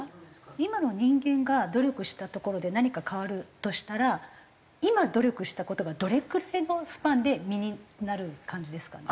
今の人間が努力したところで何か変わるとしたら今努力した事がどれくらいのスパンで実になる感じですかね？